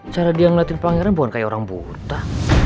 cara dia ngeliatin pangeran bukan kayak orang buta